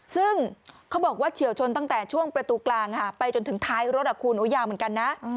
ซึ่งเขาบอกว่าเฉียวชนตั้งแต่ช่วงประตูกลางไปจนถึงท้ายรถคูณยาวเหมือนกันนะ